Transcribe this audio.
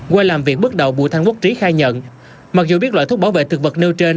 qua làm việc bước đầu bùi thanh quốc trí khai nhận mặc dù biết loại thuốc bảo vệ thực vật nêu trên